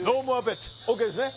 ＯＫですね